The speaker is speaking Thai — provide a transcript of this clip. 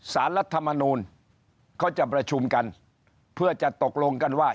รัฐมนูลเขาจะประชุมกันเพื่อจะตกลงกันว่า